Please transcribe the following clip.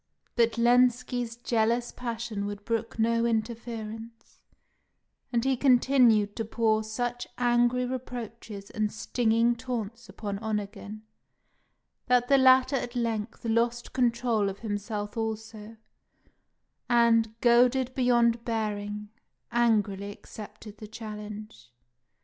But Lenski's jealous passion would brook no interference; and he continued to pour such angry reproaches and stinging taunts upon Onegin, that the latter at length lost control of himself also, and, goaded beyond bearing, angrily accepted the challenge.